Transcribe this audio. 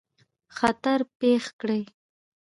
خطر پېښ کړي.